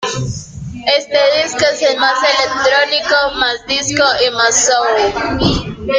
Este disco es más electrónico, más disco y más soul.